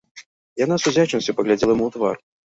Яна з удзячнасцю паглядзела яму ў твар.